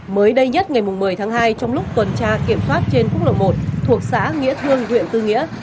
mới đây nhất ngày một mươi tháng hai trong lúc tuần tra kiểm soát trên quốc lộ một thuộc xã nghĩa thương huyện tư nghĩa